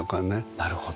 なるほど。